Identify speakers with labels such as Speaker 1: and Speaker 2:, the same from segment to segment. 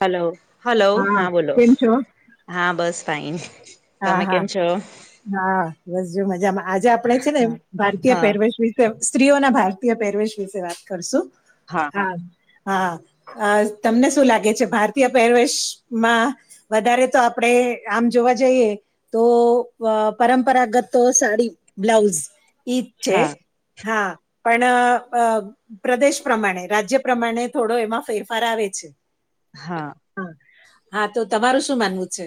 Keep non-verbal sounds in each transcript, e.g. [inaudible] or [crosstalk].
Speaker 1: Hello hello હા બોલો
Speaker 2: કેમ છો?
Speaker 1: હા બસ ફઇન.
Speaker 2: હા હા હા બસ જો મજામાં આજે આપડે છે ને
Speaker 1: હા
Speaker 2: ભારતીય
Speaker 1: હા
Speaker 2: પહેરવેશ વી તો સ્ત્રીઓના ભારતીય પેરવેશ વિશે વાત કરશું હા. હા અ તમને શું લાગે છે ભારતીય પહેવેશમાં. વધારે તો આપડે આમ જોવા જઈએ તો પરંપરાગત તો સાડી બ્લાઉઝ ઈ છે
Speaker 1: હા
Speaker 2: હા પણ અ પ્રદેશ પ્રમાણે રાજ્ય પ્રમાણે થોડો એમાં ફેરફાર આવે છે.
Speaker 1: હા.
Speaker 2: હા હા તો તમારું શું માનવું છે.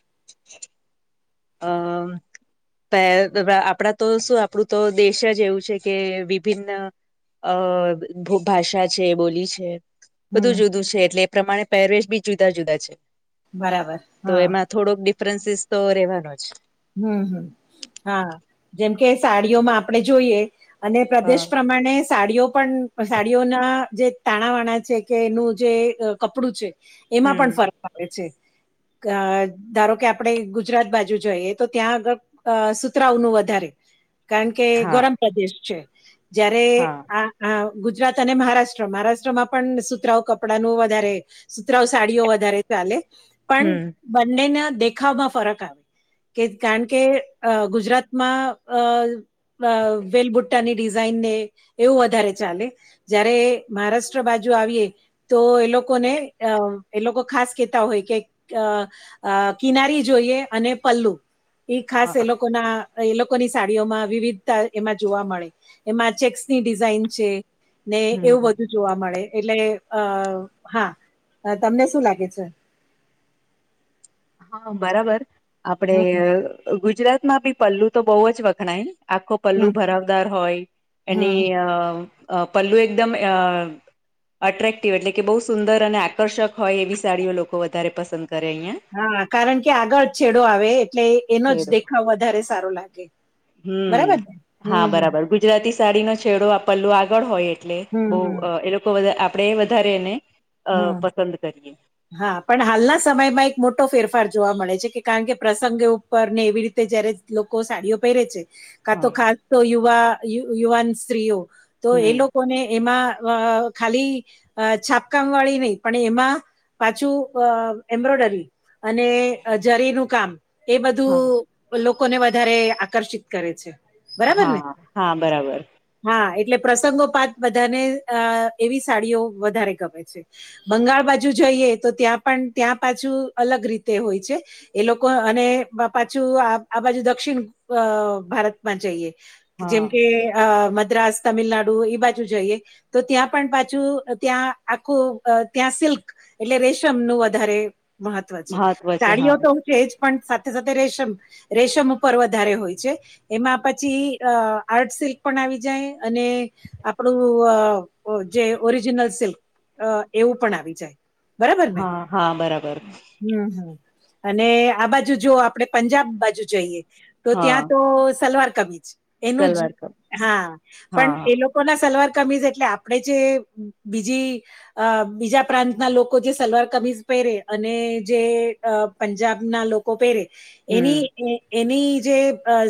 Speaker 1: [inaudible]
Speaker 2: [inaudible]
Speaker 1: ત આપડા તો શું આપડુ તો દેશ જ એવું છે કે વિભિન્ન. અ ભાષા છે બોલી છે. બધું
Speaker 2: હમ.
Speaker 1: જુદું છે એટલે એ પ્રમાણે પહેરવેશ બી જુદા જુદા છે.
Speaker 2: બરાબર
Speaker 1: તો
Speaker 2: હા.
Speaker 1: એમાં થોડોક ડિફરન્સીસ તો રહેવાનો જ.
Speaker 2: હમ હમ હા જેમ કે સાડીઓમાં આપણેે જોઈએ. અને
Speaker 1: હા
Speaker 2: પ્રદેશ પ્રમાણે સાડીઓ પણ સાડીઓના જે. તાણાવાણા છે કે એનું જે કપડું છે એમાં
Speaker 1: હમ
Speaker 2: પણ ફર આવે છે ધારો કે આપડે ગુજરાત બાજુ જઈએ. તો ત્યાં આગળ સુતરાઓ ન વધારે કારણ કે
Speaker 1: હા
Speaker 2: ગરમ પ્રદેશ છે. જયારે
Speaker 1: હા
Speaker 2: આ. હા ગુજરાત અને મહારાષ્ટ્ર મહારાષ્ટ્રમાં પણ સુતરાઉ કપડાનું વધારે. સુતરાઉ સાડીઓ વધારે ચાલે પણ
Speaker 1: હમ
Speaker 2: બંનેના દેખાવમાં ફરક આવે. કે કારણ કે ગુજરાતમાં અ. અ વેલબુટ્ટાની ડિઝાઇન ને એવું વધારે ચાલે. જયારે મહારાષ્ટ્ર બાજુ આવીએ. તો એ લોકોને અં એ લોકો ખાસ કેતા હોય કે અ. અ કિનારી જોઈએ અને પલ્લુ. [unintelligible] ખાસ એ
Speaker 1: હા
Speaker 2: લોકોના એ લોકોની સાડીઓમાં વિવિધતા એમાં જોવા મળે. એમાં ચેક્સ ની ડિઝાઇન છે ને
Speaker 1: હમ
Speaker 2: એવું બધૂ જોવા મળે એટલે અ હા તમને શું લાગે છે.
Speaker 1: હા બરાબર આપડે
Speaker 2: હમ
Speaker 1: ગુજરાતમાં બી પલ્લુ તો બોવ જ વખણાય ને. આખો પલ્લુ
Speaker 2: હમ
Speaker 1: ભરાવદાર હોય એની
Speaker 2: હમ
Speaker 1: અ પલ્લુ એકદમઅ. અટ્રેક્ટિવ એટલે કે બહુ સુંદર અને આકર્ષક હોય એવી સાડીઓ લોકો વધારે પસંદ કરે અહીયાં.
Speaker 2: હા કારણ કે આગળ છેડો આવે એટલે. એનો જ
Speaker 1: છેડો
Speaker 2: દેખાવ વધારે સારો લાગે બરાબર ને હમ હમ.
Speaker 1: જરાતી સાડીનો છેડો આ પલ્લું આગળ હોય એટલે
Speaker 2: હમ હમ
Speaker 1: બહ. લોકો આપણેે વધારે એને અ
Speaker 2: હમ
Speaker 1: પસંદ કરીએ,
Speaker 2: હા, પણ હાલના સમયમાં એક મોટો ફેરફાર જોવા મળે છે, કે કારણ કે પ્રસંગે પર ને એવી રીતે જયારે લોકો સાડીઓ પહેરે છે, કા તો ખાસ તો યુવા યુવાન સ્ત્રીઓ તો એ
Speaker 1: હમ
Speaker 2: લોકોને એમાં અ ખાલી અ છાપ કામ વાળી નહી, પણ એમાં પાછું એમ્બ્રોડરી અને જરી નું કામ એ બધું
Speaker 1: હા
Speaker 2: લોકોને વધારે આકર્ષિત કરે છે, બરાબર ને
Speaker 1: હા હા બરાબર
Speaker 2: હા, એટલે પ્રસંગોપત બધાને અ એવી સાડીઓ વધારે ગમે, બંગાળ બાજુ જઈએ, તો ત્યાં પણ ત્યાં પાછું અલગ રીતે હોય છે. એ લોકો અને પાછું આ બાજુ દક્ષિણ ભારતમાં જઈએ,
Speaker 1: હા
Speaker 2: જેમ કે અ મદ્રાસ તમિલનાડુ એ બાજુ જઈએ, તો ત્યાં પણ પાછું ત્યાં આખું ત્યાં સિલ્ક એટલે રેશમ નું વધારે મહત્વ છે,
Speaker 1: છે હા
Speaker 2: સાડીયો ઓ તો હ છેજ પણ સાથે સાથે રશેમ રેશમ ઉપર વધારે હોય છે, એમાં પછી અ આર્ટ સિલ્ક પણ આવી જાય અને આપડું જે ઓરિજનલ સિલ્ક અ એવું પણ આવી જાય, બરાબર ને?
Speaker 1: હા હા બરાબર
Speaker 2: હમ હમ અને આ બાજુ જો આપડે પંજાબ બાજુ જઈએ તો
Speaker 1: હા
Speaker 2: ત્યાં તો સલવાર કબીજ એનું જ
Speaker 1: સલવાર કટ
Speaker 2: હા પણ
Speaker 1: હા હા
Speaker 2: એ લોકો કો ના સલવાર કમીજ એટલે આપણેે જે બીજી અ બીજા પ્રાંતના લોકો જે સલવાર કમીજ પહેરે અને જે પંજાબના લોકો કો પેરે
Speaker 1: હમ
Speaker 2: એની એની જે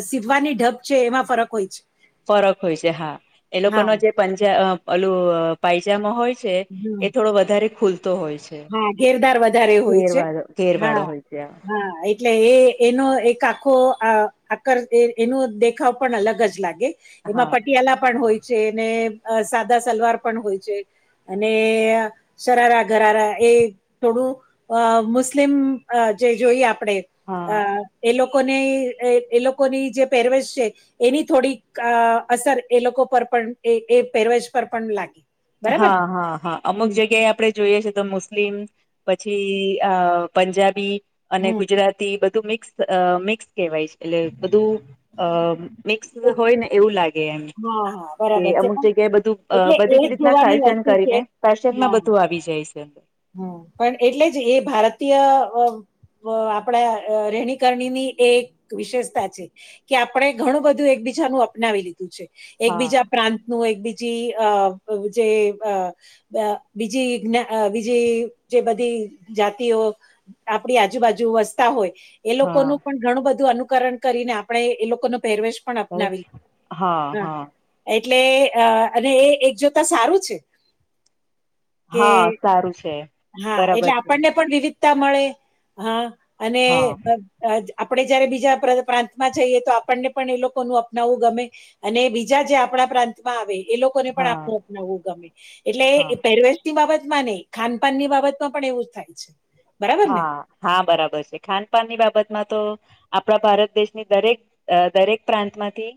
Speaker 2: સીવવાની ઢપ છે એમાં ફરક હોય છે,
Speaker 1: ફરક હોય છે હા એ લોકો ન
Speaker 2: હા
Speaker 1: જે પંજા પલું પાયજમાો હોય?
Speaker 2: હમ
Speaker 1: એ થોડો વધારે ખુલતો હોય છે.
Speaker 2: હા, ઘેરધાર વધારે હોય છે
Speaker 1: ઘેરવાળો ઘેરવાળો
Speaker 2: હા
Speaker 1: હોય છે
Speaker 2: હા એટલે એ એનો એક આખો આક [inaudible] એનો દેખાવ પણ અલગ જ લાગે.
Speaker 1: હા
Speaker 2: એમાં પટિયાલા પણ હોય છે, ને સાદા સલવાર પણ હોય છે અને શરારા ઘરારા એ થોડું અ મુસ્લિમ જે જોઈએ આપણેે
Speaker 1: હા
Speaker 2: અ એ લોકોને એ લોકોની જે પેરવેશ છે. એની થોડીક અસર એ લોકો પર પણ એ પહેરવેજ પર પણ લાગી
Speaker 1: હા હા હા અમુક જગ્યાએ આપે જોઈએ છે તો મુસ્લિમ પછી અ પંજાબી અને
Speaker 2: હમ
Speaker 1: ગુજરાતી બધું મિક્સ મિક્સ કહેવાય છે એટલે બધું અ મિક્સ
Speaker 2: એક-
Speaker 1: હોય ને એવું લાગે એ
Speaker 2: હા હા
Speaker 1: કે
Speaker 2: બરાબર છે
Speaker 1: અમુક
Speaker 2: પણ
Speaker 1: જગ્યાએ બધું
Speaker 2: એટલે એ
Speaker 1: બધી જ રીતે
Speaker 2: જોવાની
Speaker 1: ફેશન
Speaker 2: વસ્તુ છે
Speaker 1: કરીને ફેશન માં
Speaker 2: હા
Speaker 1: બધું આવી જાય છે.
Speaker 2: હમ પણ એટલે જ એ ભારતીય અ આપણા રહેણી કરણી ની એ એક વિશેષતા છે. કે આપણે ઘણું બધું એકબીજાનું અપનાવી લીધું છે
Speaker 1: હા
Speaker 2: એકબીજા. પ્રાંત નું એક બીજી જે બીજી જ જે બધી જાતિઓ આપડી આજુબાજુ વસતા હોય? એ લોકોનું
Speaker 1: હા
Speaker 2: પણ ઘણું બધું અનુકરણ કરીને આપણે એ લોકો ન પેરવેશ પણ
Speaker 1: બસ.
Speaker 2: અપનાવી હા એટલે અને એ એક જોતા સારું છે. કે
Speaker 1: હા સારું છે.
Speaker 2: હા એટલે
Speaker 1: બરાબર છે
Speaker 2: આપણને પણ વિવિધતા મળે હા અને.
Speaker 1: હા
Speaker 2: આપડણે જયારે બીજા પ્રાંતમાં જઈએ તો આપણને પણ એ લોકોનું અપનાવવું ગમે- અને બીજા જે આપણા પ્રાંતમાં આવે એ લોકો- ને
Speaker 1: હા
Speaker 2: પણ આપ
Speaker 1: હા
Speaker 2: અનાવવું ગમે
Speaker 1: હા
Speaker 2: એટલે પેરવેશ ની બાબત ને ખાન ન ની બાબત માં પણ એવું જ થાય છે. બરાબર ને?
Speaker 1: હા બરાબર છે ખાનપાન ની બાબતમાં તો આપણા ભારત દેશની દરેક દરેક પ્રાંતમાંથી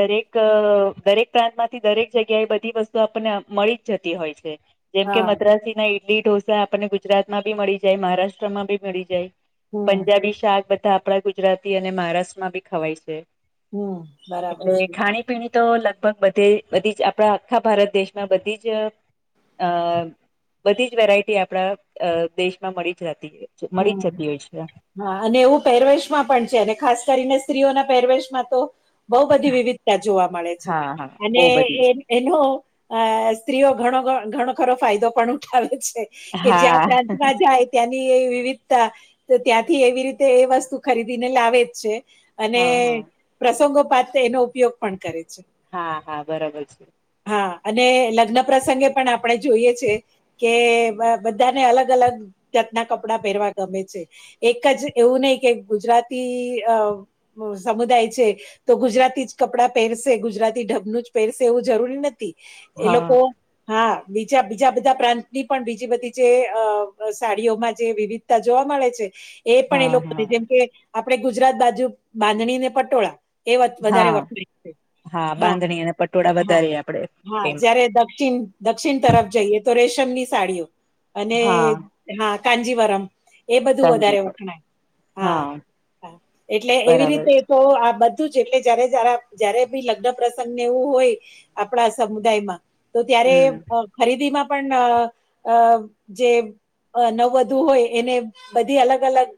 Speaker 1: દરેક દરેક પ્રાંતમાંથી દરેક જગ્યા એ બધી વસ્તુ આપણને મળી જ જતી હોય છે. જેમ કે
Speaker 2: હા
Speaker 1: મદ્રાસના ઇડલી ઢોસા આપણને ગુજરાતમાં બી મળી જાય મહારાષ્ટ્રમાં બી મળી જાય.
Speaker 2: હમ
Speaker 1: પંજાબી શાક બધા આપણા ગુજરાતી અને મહારાષ્ટ્રમાં બી ખવાય છે.
Speaker 2: હમ બરાબર
Speaker 1: એટલે
Speaker 2: છે
Speaker 1: ખાણી પીણી તો લગભગ બધી બધી જ આપણા આખા ભારત દેશમાં બધી જ અ બધી જ વેરાયટી આપણા દેશમાં મળી જતી હોય મળી
Speaker 2: હમ
Speaker 1: જતી હોય છે.
Speaker 2: હા અને એવું પહેરવેશમાં પણ છે અને ખાસ કરીને સ્ત્રીઓના પહેરવેશમાં તો બહુ બધી વિવિધતા જોવા મળે છે
Speaker 1: હા હા
Speaker 2: અને
Speaker 1: બહુ બધી
Speaker 2: એ એનો અ સ્ત્રીઓ ઘણો ઘણો ખરો ફાયદો પણ ઉઠાવે છે. કે જ્યા
Speaker 1: હા
Speaker 2: પ્રાંતમાં જાય ત્યાંની એ વિવિધતા ત્યાંથી એવી રીતે એ વસ્તુ ખરીદીને લાવે જ છે. અને
Speaker 1: હા હા
Speaker 2: પ્રસંગો પાત્ર એનો ઉપયોગ પણ કરે છે.
Speaker 1: હા હા બરાબર છે.
Speaker 2: હા અને લગ્ન પ્રસંગે પણ આપણે જોઈએ છે. કે બધાને અલગ અલગ જાતના કપ કપડા પહેરવા ગમે છે એક જ એવું નહી કે ગુજરાતી અ હ સમુદાય છે. તો ગુજરાતી જ કપડાં પહેરશે ગુજરાતી ઢબનું જ પહેરશે એવું જરૂરી નથી. એ
Speaker 1: હા
Speaker 2: લોકો હા બીજા બીજા બધા પ્રાંતની પણ બીજી બધી જે સાડીઓમાં જે વિવિધતા જોવા મળે છે, એ પણ એ
Speaker 1: હા
Speaker 2: લોકો
Speaker 1: હા
Speaker 2: જેમ કે આપણે ગુજરાત બાજુ બાંધણી ને પટોળા એ વધારે
Speaker 1: હા
Speaker 2: વખરા હા
Speaker 1: બાંધણી અને પટોળા
Speaker 2: હા
Speaker 1: વધારે આપડે
Speaker 2: હા
Speaker 1: તેમાં
Speaker 2: જયારે દક્ષિણ દક્ષિણ તરફ જઈએ તો રેશમની સાડીઓ અને
Speaker 1: હા
Speaker 2: હા કાનજીવરમ એ બધું
Speaker 1: તંગી
Speaker 2: વધારે
Speaker 1: પર
Speaker 2: વખણાય હા એટલે એવી
Speaker 1: બરાબર
Speaker 2: રીતે તો આ બધું જ એટલે જયારે જ જયારે બી લગ્ન પ્રસંગને એવું હોય આપણા સમુદાયમાં તો ત્યારે
Speaker 1: હમ
Speaker 2: ખરીદીમાં પણ જે નવ વધુ હોય એને બધી અલગ અલગ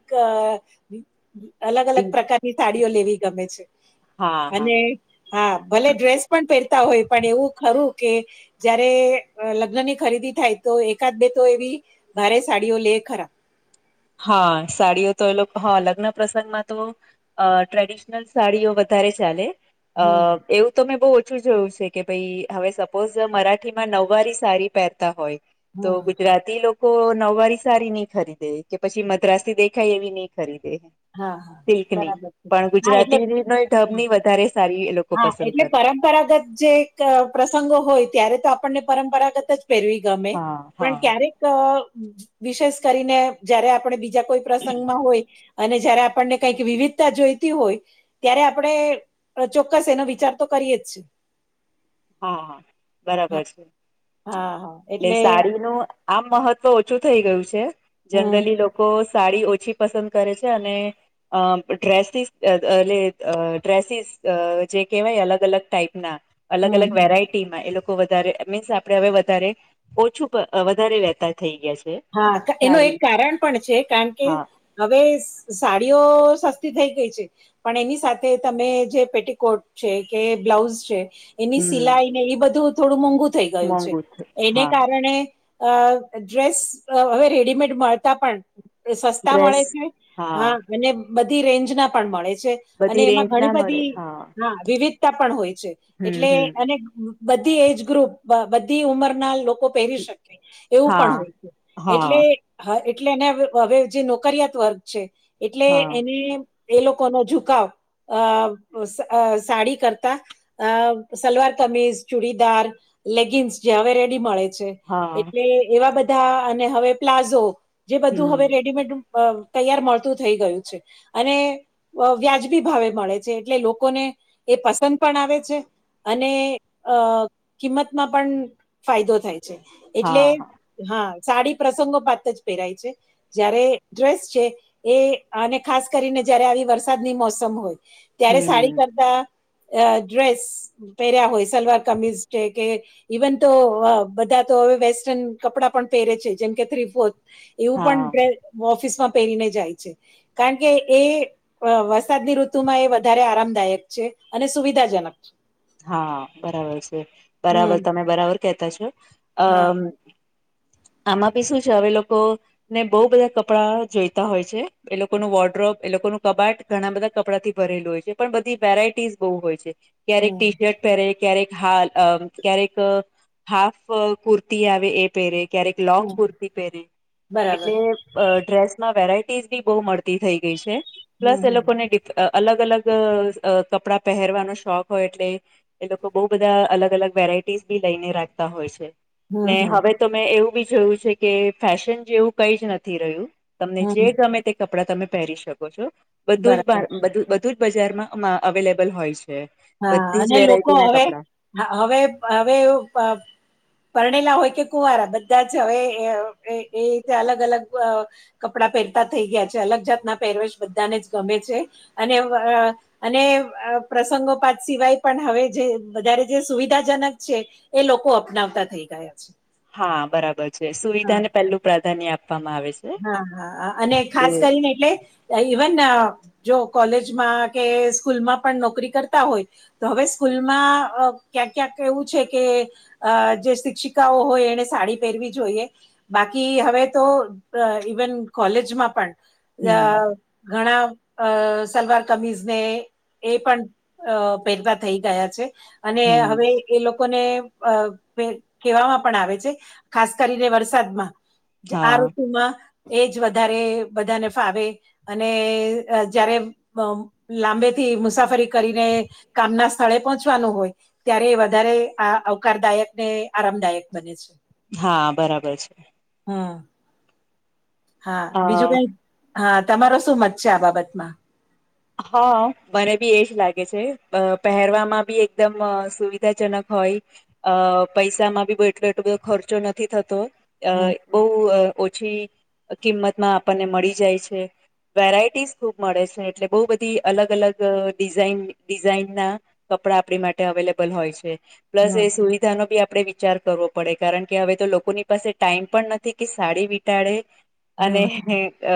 Speaker 2: અલગ અલગ પ્રકાર પોત ની થળીઓ લેવી ગમે છે,
Speaker 1: હા હા
Speaker 2: અને હા ભલે ડ્રેસ પણ પહેરતા હોય પણ એવું ખરું કે જયારે લગ્નની ખરીદી થાય તો એકાદ બે તો એવી ભારે સાડીઓ લે ખરા.
Speaker 1: હા સાડીઓ તો એ લોકો હા લગ્ન પ્રસંગમાં તો અ ટ્રેડિશનલ સાડીઓ વધારે ચાલે, અ
Speaker 2: હમ
Speaker 1: એવું તો મેં બહુ ઓછું જોયું છે કે ભાઈ હવે સપોઝ મરાઠીમાં નવવારી સાડી પહેરતા હોય. તો
Speaker 2: હમ
Speaker 1: ગુજરાતી લોકો નવવારી સારી નહી ખરીદે. કે પછી મદ્રાસ થી દેખાય એવી નહી ખરી દે.
Speaker 2: હા હા
Speaker 1: સિલ્કની
Speaker 2: બરાબર છે
Speaker 1: પણ
Speaker 2: હા એટલે
Speaker 1: ગુજરાતીની ઢબની વધારે સારી એ લોકો
Speaker 2: હા
Speaker 1: પસંદ
Speaker 2: એટલે
Speaker 1: કરે
Speaker 2: પરંપરાગત જે પ્રસંગો હોય ત્યારે તો આપણને પરંપરાગત જ. પેરવી ગમે,
Speaker 1: હા
Speaker 2: પણ
Speaker 1: હા
Speaker 2: ક્યારેક વિશેષ કરીને જયારે આપણે બીજા કોઈ પ્રસંગમાં હોય, અને જયારે આપણને કઈક વિવિધતા જોઈતી હોય, ત્યારે આપણે અ, ચોક્કસ એનો વિચાર તો કરીએે જ છે.
Speaker 1: હા હા બરાબર છે,
Speaker 2: હા હા
Speaker 1: એટલે
Speaker 2: એટલે
Speaker 1: સાડીનું આમ મહત્વ ઓછું થઈ ગયું છે,
Speaker 2: હમ
Speaker 1: જનરલી‌ લોકો સાડી ઓછી પસંદ કરે છે અને અ ડ્રેસીસ એટલે ડ્રેસીસ જે કહેવાય અલગ અલગ ટાઈપના. અલગ અલ
Speaker 2: હમ
Speaker 1: વેરાયટી એ લોકો વધારે મીન્સ આપે હવે વધ ઓછું, વધારે વેતા થઈ ગયા છે.
Speaker 2: હા એનું એક
Speaker 1: સાડી
Speaker 2: કારણ પણ છે કારણ કે.
Speaker 1: હા
Speaker 2: હવે સાડીઓ સસ્તી થઈ ગઈ છે. પણ એની સાથે તમે જે પેટકોટ છે કે બ્લાઉઝ છે. એની
Speaker 1: હમ
Speaker 2: સિલાઈ ને એ બધું થોડું મોંઘું થઈ ગયું છે,
Speaker 1: મોંઘુ
Speaker 2: એને
Speaker 1: હા
Speaker 2: કારણે અ ડ્રેસ હવે રેડીમેડ મળતા પણ. સસ્તા
Speaker 1: ડ્રેસ
Speaker 2: મળે છે, હા અને બધી રેન્જ ના પણ મળે છે. અને
Speaker 1: બધી
Speaker 2: એમાં
Speaker 1: રેન્જ
Speaker 2: ઘણી
Speaker 1: ના મળે
Speaker 2: બધી હા વિવિધ પણ હોય છે,
Speaker 1: હમ
Speaker 2: એટલે
Speaker 1: હમ
Speaker 2: અને બધી એજ ગ્રુપ બધી ઉંમરના લોકો પહેરી શકે, એવું પણ
Speaker 1: હા
Speaker 2: હોય છે,
Speaker 1: હા
Speaker 2: એટલે હા એટલે એને હવે જે નોકરયાત વર્ગ છે, એટલે
Speaker 1: હા
Speaker 2: એને એ લોકો નો ઝુકાવ, અ સાડી કરતા. અ સલવાર કમીઝ ચુડીદાર લેગિન્સ જે હવે રેડી મળે છે.
Speaker 1: હા
Speaker 2: એટલે એવા બધા અને હવે પ્લાઝો જે બધું
Speaker 1: હમ
Speaker 2: હવે રેડીમેડ અ તૈયાર મળતું થઈ ગયું છે, અને વ્યાજબી ભાવે મળે છે એટલે લોકોને, એ પસંદ પણ આવે છે. અને અ કિંમતમાં પણ ફાયદો થાય. એટલે,
Speaker 1: હા હા
Speaker 2: હા સાડી પ્રસંગો પાત જ પહેરાય છે. જયારે ડ્રેસ છે એ અને ખાસ કરીને જયારે આવી વરસાદની મોસમ હોય. ત્યારે સાડી
Speaker 1: હમ
Speaker 2: કરતા ડ્રેસ પહેર્યા હોય સલવાર કમીઝ છે કે ઇવન તો બધા તો હવે વેસ્ટર્ન કપડા પણ પહેરે છે જેમ કે થ્રી ફોર્થ, એવું પણ
Speaker 1: હા
Speaker 2: ડ ઓફિસમાં પહેરીને જાય છે. કારણ કે એ વરસાદની ઋતુમાં એ વધારે આરામદાયક છે અને સુવિધાજનક છે
Speaker 1: હા બરાબર છે બરાબર
Speaker 2: હમ
Speaker 1: તમે બરાબર કેતા છો,
Speaker 2: હા
Speaker 1: અમ આમાં ભી શું છે હવે લોકો ને બહુ બધા કપડા જોઈતા હોય છે એ લોકો ન વોર્ડ્રોપ એ લોકો ન કબાટ. ઘણા બધા કપડાં થી ભરેલું હોય છે પણ બધી વેરાયટીઝ બહુ હોય છે ક્યારેક ટી
Speaker 2: હમ
Speaker 1: પહેરે ક્યારેક હ ક્યારેક હાફ કુર્તી આવે એ પહેરે ક્યારેક લોંગ
Speaker 2: હમ
Speaker 1: કુર્તી પહેરે
Speaker 2: બરાબર
Speaker 1: એટલે અ ડ્રેસમાં વેરાયટીઝ બી બહુ મળતી થઈ ગઈ છે
Speaker 2: હમ
Speaker 1: પ્લસ એ
Speaker 2: હમ
Speaker 1: લોકોને ડ અ અલગ અલગ કપડા પહેરવાનો શોખ હોય એ એ લોકો બહ બધા અલગ અલગ વેરાયટીસ બી લઈને રાખતા હોય છે ને
Speaker 2: હમ હમ
Speaker 1: હવે તમે એવું બી જોયું છે કે ફેશન જેવું કઈ જ નથી રહ્યું તમને
Speaker 2: હમ
Speaker 1: જે ગમે કપડા તમે પહેરી શકો છો બધું જ
Speaker 2: બરાબર
Speaker 1: બધું જ બજાર માં અવેલેબલ હોય છે
Speaker 2: હા
Speaker 1: બધી
Speaker 2: અને
Speaker 1: જ
Speaker 2: લોકો
Speaker 1: વેરાયટી ના
Speaker 2: હવે
Speaker 1: કપડા
Speaker 2: હવે હવે પરણેલા હોય કે કુવારા બધા જ હવે એ રીતે અલગ અલગ કપડાં પહેરતા થઈ ગયા છે અલગ જાતના પહેરવેેશ બધાને જ ગમે છે અને અને પ્રસંગો પાત સિવાય પણ હવે જે વધારે જે સુવિધાજનક છે એ લોકો અપનાવતા થઈ ગયા ગયા છે
Speaker 1: હા બરાબર છે
Speaker 2: હા
Speaker 1: સુવિધાને પેલું પ્રાધાન્ય આપવામાં આવે છે
Speaker 2: હા હાા અને
Speaker 1: કે
Speaker 2: ખાસ કરીને એટલે ઇવન જો કોલેજમાં કે સ્કૂલમાં પણ નોકરી કરતા હોય તો હવે સ્કૂલમાં ક્યાંક ક્યાંક એવું છે કે અ જે શિક્ષિકાઓ હોય એને સાડી પહેરવી જોઈએ બાકી હવે તો ઇવન કોલેજમાં પણ
Speaker 1: હમ
Speaker 2: ઘણા અ સલવાર કમીઝને એ પણ પહેલા થઈ ગયા છે અને
Speaker 1: હમ
Speaker 2: હવે એ લોકોને અ કહેવામાં પણ આવે છે ખાસ કરીને વરસાદમાં આ
Speaker 1: હા
Speaker 2: ઋતુમાં એજ વધારે બધાને ફાવે અને જયારે લાંબેથી મુસાફરી કરીને કામ ના સ્થળે પહોંચવાનું હોય ત્યારે વધારે આ આવકારદાયક ને આરામદાયક બને છે
Speaker 1: હા બરાબર છે
Speaker 2: હા હા બીજું કઈ
Speaker 1: અ
Speaker 2: હા તમારો શું મત છે આ બાબતમાં
Speaker 1: હા મને બી એજ લાગે છે પહેરવામાં બી એકદમ સુવિધાજનક હોય અ પૈસામાં બી એટલો એટલો બધો ખર્ચો નથી થતો અ
Speaker 2: હમ
Speaker 1: બહુ ઓછી કિંમત માં આપણને મળી જાય છે વેરાયટીસ ખુબ મળે છે એટલે બહુ બધી અલગ અલગ ડિઝઇન ડિઝાઇન ના કપડા આપણી માટે અવેલેબલ હોય છે પ્લસ
Speaker 2: હમ
Speaker 1: એ સુવિધાનો બી આપડે વિચાર કરવો પડે કારણ કે હવે તો લોકોની પાસે ટાઈમ પણ નથી કે સાડી વિટાડે
Speaker 2: હમ
Speaker 1: અને અ